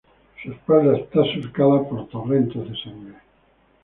Su espalda está surcada por torrentes de sangre.